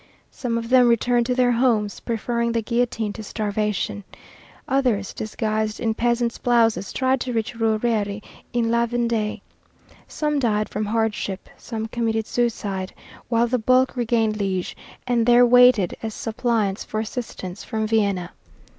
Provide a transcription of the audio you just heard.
Some of them returned to their homes, preferring the guillotine to starvation, others, disguised in peasants' blouses, tried to reach Rouërie in La Vendée, some died from hardship, some committed suicide, while the bulk regained Liège and there waited as suppliants for assistance from Vienna.